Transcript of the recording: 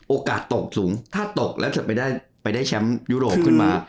โอกาสตกสูงถ้าตกแล้วจะไปได้แชมป์ยุโรปขึ้นมา